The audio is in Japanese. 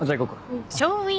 うん。